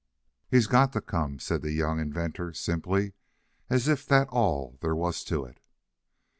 "He's got to come," said the young inventor, simply, as if that was all there was to it.